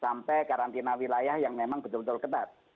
sampai karantina wilayah yang memang betul betul ketat